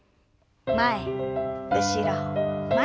前後ろ前。